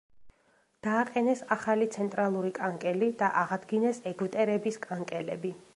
დააყენეს ახალი ცენტრალური კანკელი და აღადგინეს ეგვტერების კანკელები.